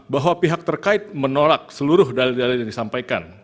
bahwa pihak terkait menolak seluruh dalil dalil yang disampaikan